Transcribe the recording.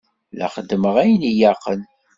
La xeddmeɣ ayen ilaqen.